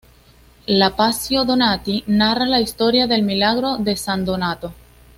La "Passio Donati" narra la historia del milagro de san Donato.